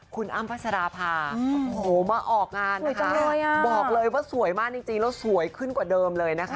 คุณอำพัศราภาโหมาออกงานนะคะ